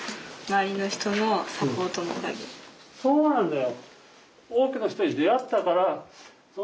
そうなんだよ。